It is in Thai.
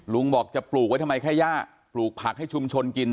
บอกจะปลูกไว้ทำไมแค่ย่าปลูกผักให้ชุมชนกิน